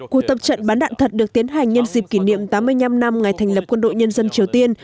cuộc tập trận bắn đạn thật được tiến hành nhân dịp kỷ niệm tám mươi năm năm ngày thành lập quân đội nhân dân triều tiên